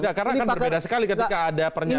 tidak karena akan berbeda sekali ketika ada pernyataan bahwa